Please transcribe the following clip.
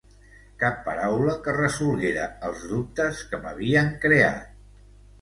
Cap paraula que resolguera els dubtes que m’havien creat.